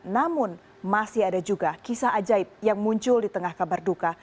namun masih ada juga kisah ajaib yang muncul di tengah kabar duka